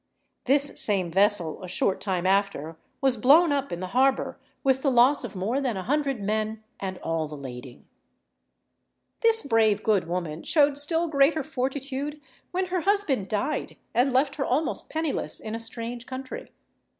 This same vessel, a short time after, was blown up in the harbour with the loss of more than a hundred men and all the lading. This brave, good woman showed still greater fortitude when her husband died and left her almost penniless in a strange country.